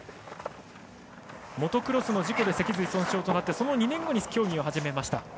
モトクロスの事故で脊髄損傷となってその２年後に競技を始めました。